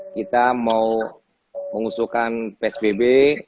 kita mau mengusulkan psbb